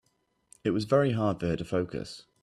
It was very hard for her to focus.